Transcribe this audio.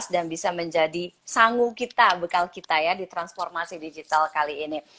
dan bisa menjadi sanggung kita bekal kita ya di transformasi digital kali ini